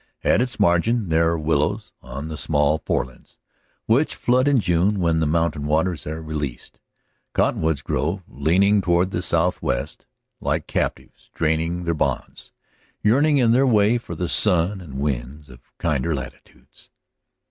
At its margin there are willows; on the small forelands, which flood in June when the mountain waters are released, cottonwoods grow, leaning toward the southwest like captives straining in their bonds, yearning in their way for the sun and winds of kinder latitudes.